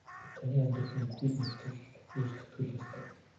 Таны амьдралын бүхий л нөхцөл өөрчлөгдөх л ёстой.